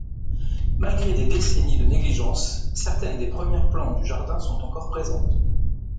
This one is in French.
Malgré des décennies de négligence, certaines des premières plantes du jardin sont encore présentes.